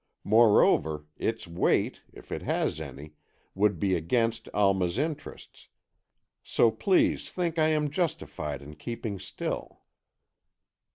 Moreover, its weight, if it has any, would be against Alma's interests, so please think I am justified in keeping still."